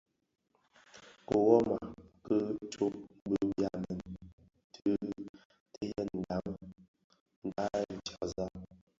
Kiwoma ki tsok bi byamèn tyèn ti dhayen tyanzag.